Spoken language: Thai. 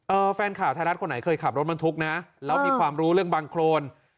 แฟนข่าวไทยรัฐคนไหนเคยขับรถบรรทุกนะแล้วมีความรู้เรื่องบังโครน